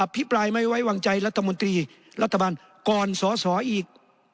พิปรายไม่ไว้วางใจรัฐมนตรีรัฐบาลก่อนสอสออีก